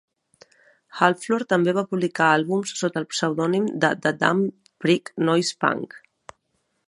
Hardfloor també va publicar àlbums sota el pseudònim de Da Damn Phreak Noize Phunk.